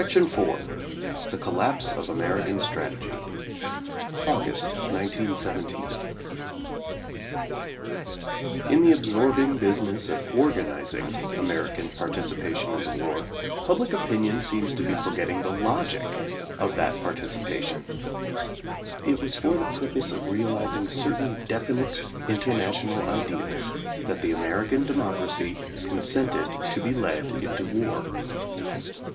IV THE COLLAPSE OF AMERICAN STRATEGY (August, 1917) In the absorbing business of organizing Ameri can participation in the war, public opinion seems to be forgetting the logic of that participation. It was for the purpose of realizing certain definite international ideals that the American democracy consented to be led into war.